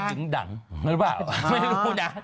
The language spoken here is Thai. ยอดถึงดังรู้หรือเปล่าไม่รู้นะ